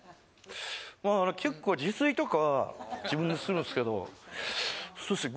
まああの結構自炊とか自分でするんすけどそうっすね